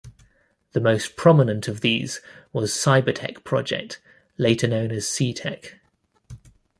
The most prominent of these was Cyber-Tec Project - later known as C-Tec.